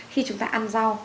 khi chúng ta ăn rau